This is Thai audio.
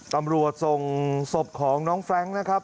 ตำรวจส่งศพของน้องแฟรงค์นะครับ